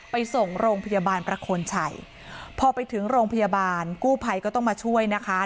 ไปส่งโรงพยาบาลประโคนชัยพอไปถึงโรงพยาบาลกู้ภัยก็ต้องมาช่วยนะคะ